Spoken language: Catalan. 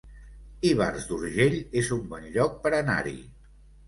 Ivars d'Urgell es un bon lloc per anar-hi